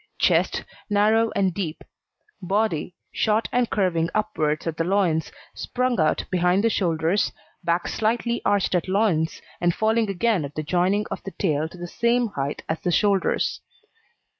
CHEST Narrow and deep. BODY Short and curving upwards at the loins, sprung out behind the shoulders, back slightly arched at loins, and falling again at the joining of the tail to the same height as the shoulders.